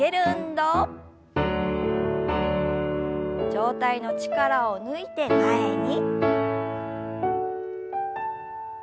上体の力を抜いて前に。